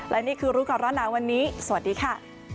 และนี่คือรูปกรณะวันนี้สวัสดีค่ะ